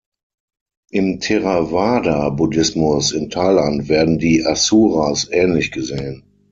Im Theravada-Buddhismus in Thailand werden die Asuras ähnlich gesehen.